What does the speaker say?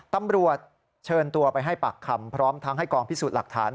ตำรวจเชิญตัวไปให้ปากคำพร้อมทั้งให้กองพิสูจน์หลักฐาน